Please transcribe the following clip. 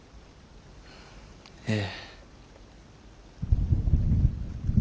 ええ。